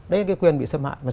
đấy là cái quyền bị xâm hại